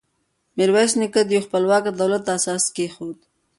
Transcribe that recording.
میرویس نیکه د یوه خپلواک دولت اساس کېښود.